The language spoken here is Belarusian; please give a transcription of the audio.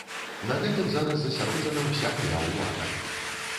На гэтым зараз засяроджана ўся мая ўвага.